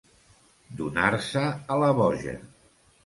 Donar-se a la boja.